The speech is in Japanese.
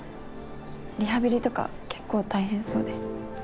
リハビリとか結構大変そうで。